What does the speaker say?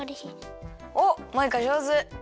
おっマイカじょうず！